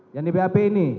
yang di bap ini